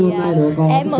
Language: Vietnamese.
tiếp đoàn rất là